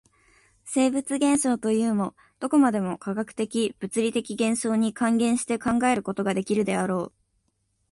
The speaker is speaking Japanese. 生物現象というも、どこまでも化学的物理的現象に還元して考えることができるであろう。